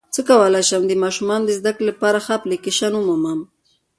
څنګه کولی شم د ماشومانو د زدکړې لپاره ښه اپلیکیشن ومومم